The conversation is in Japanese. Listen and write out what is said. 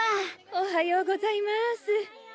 おはようございます。